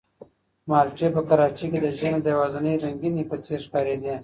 مالټې په کراچۍ کې د ژمي د یوازینۍ رنګینۍ په څېر ښکارېدې.